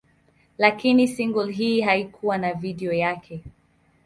Lakini single hii haikuwa na video yake.